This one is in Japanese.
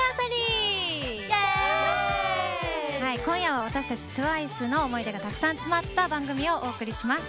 今夜は私たちＴＷＩＣＥの思い出がたくさん詰まった番組をお送りします。